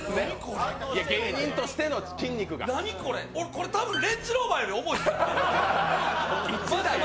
これ、多分レンジローバーより重いですよ。